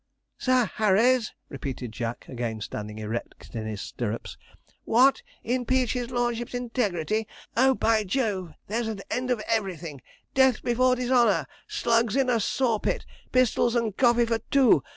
'Sir Harry's!' repeated Jack, again standing erect in his stirrups. 'What! impeach his lordship's integrity oh, by Jove, there's an end of everything! Death before dishonour! Slugs in a saw pit! Pistols and coffee for two!